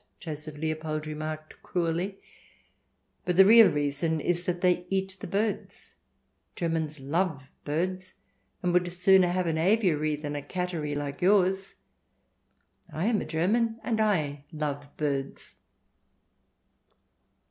Joseph Leopold remarked CH. XIV] GREAT DANES AND MICE 195 cruelly. " But the real reason is that they eat the birds. Germans love birds, and would sooner have an aviary than a cattery like yours. I am a German, and / love birds."